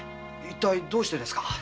どうしてですか？